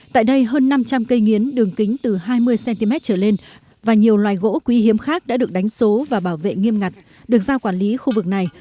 tại đây hơn năm trăm linh cây nghiến đường kính từ hai mươi cm trở lên và nhiều loài gỗ quý hiếm khác đã được đánh số và bảo vệ nghiêm ngặt được giao quản lý khu vực này